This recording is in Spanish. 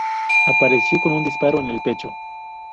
Apareció con un disparo en el pecho.